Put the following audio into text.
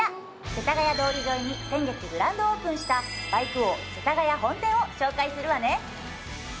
世田谷通り沿いに先月グランドオープンしたバイク王世田谷本店を紹介するわね！